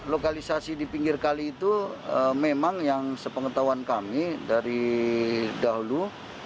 lokalisasi di pinggir kali itu memang yang sepengetahuan kami dari dahulu